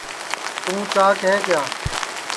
توں چاک ہے کیا